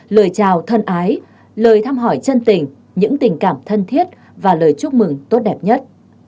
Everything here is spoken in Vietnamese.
lời chào thân ái lời thăm hỏi chân tình những tình cảm thân thiết và lời chúc mừng tốt đẹp nhất